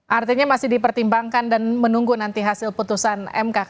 artinya masih dipertimbangkan dan menunggu nanti hasil putusan mk